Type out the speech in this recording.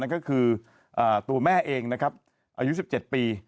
ก็คือตัวแม่เองนะครับอายุ๑๗ปี